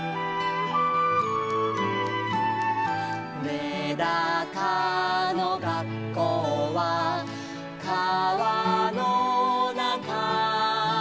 「めだかのがっこうはかわのなか」